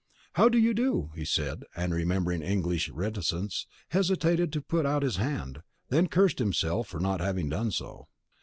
"How do you do," he said, and remembering English reticence, hesitated to put out his hand; then cursed himself for not having done so.